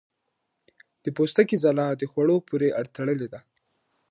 د پوستکي ځلا د خوړو پورې تړلې ده.